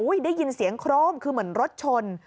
ได้ยินเสียงโครมคือเหมือนรถชน